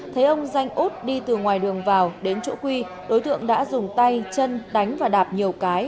thấy ông danh út đi từ ngoài đường vào đến chỗ quy đối tượng đã dùng tay chân đánh và đạp nhiều cái